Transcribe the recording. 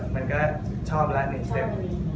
มันก็ชอบแล้วนะครับ